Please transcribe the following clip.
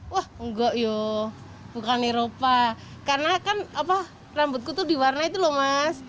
wah enggak yuk bukan eropa karena kan rambutku itu diwarna itu loh mas